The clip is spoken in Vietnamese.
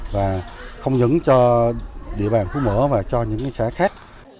và không những cho địa bàn phú mỡ và cho những xã khác